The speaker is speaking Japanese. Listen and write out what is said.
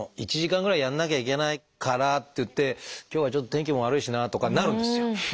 １時間ぐらいやんなきゃいけないからっていって今日はちょっと天気も悪いしなとかになるんですよ。